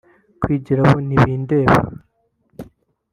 kwigira ba ntibindeba